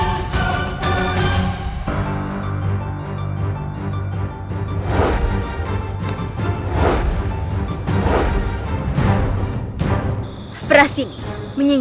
oke namanya rupanya icin